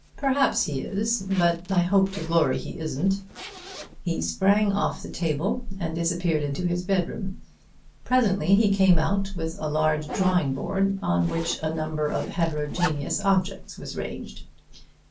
Perhaps he is; but I hope to glory he isn't." He sprang off the table and disappeared into his bedroom. Presently he came out with a large drawing board on which a number of heterogeneous objects was ranged.